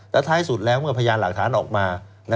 แต่ท้ายสุดแล้วเมื่อพยานหลักฐานออกมา